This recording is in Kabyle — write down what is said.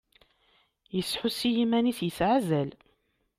Yesḥus i yiman-is yesɛa azal.